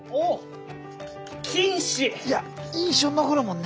いや印象に残るもんね。